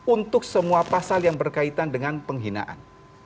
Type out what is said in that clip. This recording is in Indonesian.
untuk semua pasal yang berkaitan dengan penghinaan